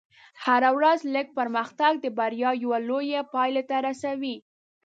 هره ورځ لږ پرمختګ د بریا یوې لوېې پایلې ته رسوي.